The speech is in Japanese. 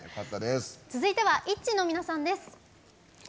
続いてはＩＴＺＹの皆さんです。